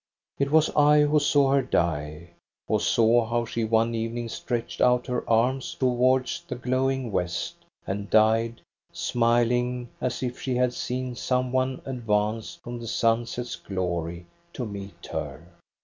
"It was I who saw her die; who saw how she one evening stretched out her arms towards the glowing west, and died, smiling, as if she had seen some one advance from the sunset's glory to meet her.